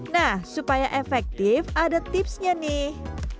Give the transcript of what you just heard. nah supaya efektif ada tipsnya nih